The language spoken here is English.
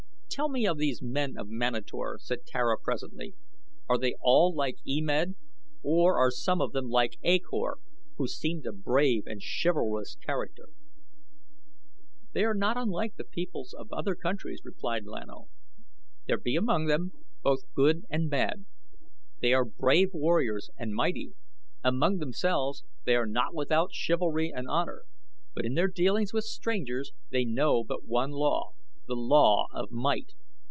"Tell me of these men of Manator," said Tara presently. "Are they all like E Med, or are some of them like A Kor, who seemed a brave and chivalrous character?" "They are not unlike the peoples of other countries," replied Lan O. "There be among them both good and bad. They are brave warriors and mighty. Among themselves they are not without chivalry and honor, but in their dealings with strangers they know but one law the law of might.